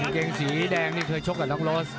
เกงสีแดงนี่เคยชกกับน้องโรส